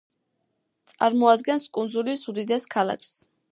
წარმოადგენს კუნძულის უდიდეს ქალაქს.